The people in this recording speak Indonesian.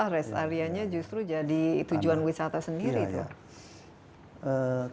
rest area nya justru jadi tujuan wisata sendiri